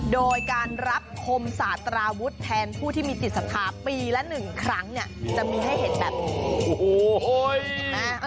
โดยการรับคมศาตราวุฒิแทนผู้ที่มีจิตศรัทธาปีละหนึ่งครั้งเนี่ยจะมีให้เห็นแบบนี้โอ้โห